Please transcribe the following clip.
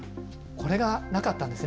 これがなかったんです。